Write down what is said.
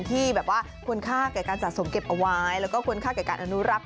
ที่แบบว่าควรค่าแก่การสะสมเก็บเอาไว้แล้วก็ควรค่าแก่การอนุรักษ์